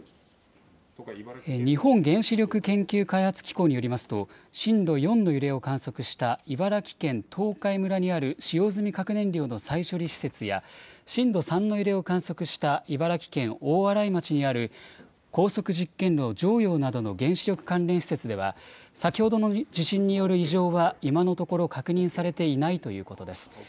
日本原子力研究開発機構によりますと震度４の揺れを観測した茨城県東海村にある使用済み核燃料の再処理施設や震度３の揺れを観測した茨城県大洗町にある高速実験炉、常陽などの原子力関連施設では先ほどの地震による異常は今のところ確認されていないということです。